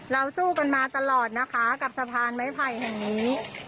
สู้กันมาตลอดนะคะกับสะพานไม้ไผ่แห่งนี้